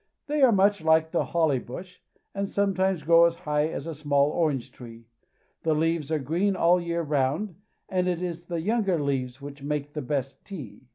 They are much Hke the holly bush, and sometimes grow as high as a small orange tree. The leaves are green all the year round, and it is the younger leaves which make the best tea.